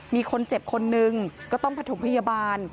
มีคนเจ็บคนนึงก็ต้องผสมพยาบาล